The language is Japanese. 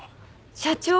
社長。